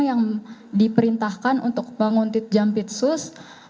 yang diperintahkan untuk penguntit jampitsus